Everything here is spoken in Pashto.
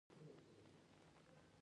وګړي د افغانستان د بڼوالۍ برخه ده.